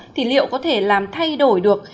thì liệu có thể làm thay đổi được